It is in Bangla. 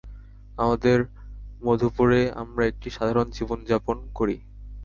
আমাদের মধুপুরে, আমরা একটি সাধারণ জীবনযাপন করি।